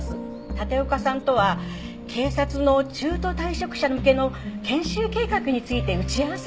立岡さんとは警察の中途退職者向けの研修計画について打ち合わせを。